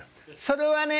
「それはね」